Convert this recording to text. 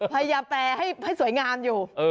พยายามแปลให้สวยงามอยู่